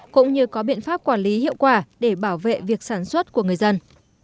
cũng như có biện pháp quản lý hiệu quả để bảo vệ việc sản xuất của người dân